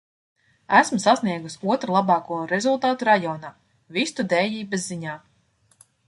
Esmu sasniegusi otru labāko rezultātu rajonā, vistu dējības ziņā.